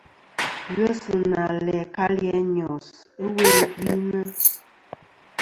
Ghesina læ kalì a Nyos ɨwe gvi nɨ̀.